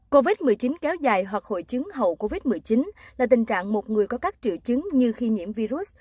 covid một mươi chín kéo dài hoặc hội chứng hậu covid một mươi chín là tình trạng một người có các triệu chứng như khi nhiễm virus